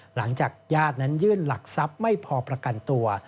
หลังจากญาตินั้นยื่นหลักทรัพย์ไม่พอประกันตัว